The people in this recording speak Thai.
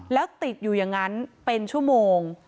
แล้วติดอยู่อย่างนั้นเป็นชั่วโมง